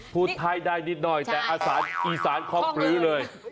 พูดไทดายสัมพิพยาบาทนิดนิดหน่อยแต่อิสานของปรื้อเลย